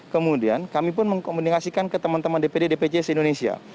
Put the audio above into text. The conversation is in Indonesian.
kemudian kami pun mengkomunikasikan ke teman teman dpd dpc indonesia